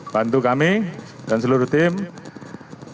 bantu kami dan seluruh teman teman